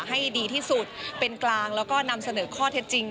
ให้ดีที่สุดเป็นกลางแล้วก็นำเสนอข้อเท็จจริง